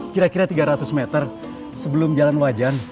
kira kira tiga ratus meter sebelum jalan wajan